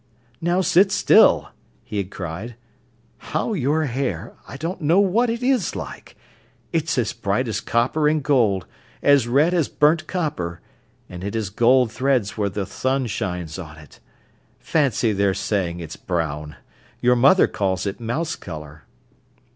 "Now sit still," he had cried. "Now your hair, I don't know what it is like! It's as bright as copper and gold, as red as burnt copper, and it has gold threads where the sun shines on it. Fancy their saying it's brown. Your mother calls it mouse colour."